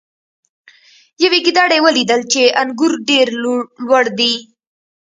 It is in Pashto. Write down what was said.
یوې ګیدړې ولیدل چې انګور ډیر لوړ دي.